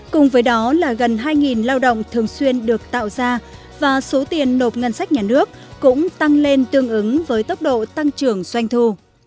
cùng với đó là gần hai lao động thường xuyên được tạo ra và số tiền nộp ngân sách nhà nước cũng tăng lên tương ứng với tốc độ tăng trưởng doanh thu